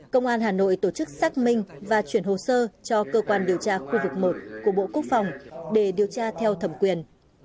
công an hà nội tổ chức xác minh và chuyển hồ sơ cho cơ quan điều tra khu vực một của bộ quốc phòng để điều tra theo thẩm quyền